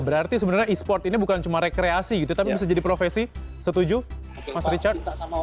berarti sebenarnya e sport ini bukan cuma rekreasi gitu tapi bisa jadi profesi setuju mas richard